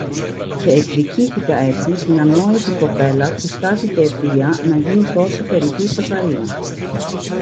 Κι εκδικήθηκα έτσι την ανόητη κοπέλα που στάθηκε αιτία να γίνει τόση περιττή φασαρία.